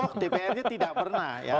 oh dpr nya tidak pernah ya